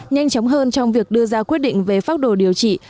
nhanh chóng hơn trong việc đưa ra quyết định về phác đồ điều trị